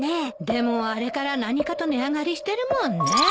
でもあれから何かと値上がりしてるもんね。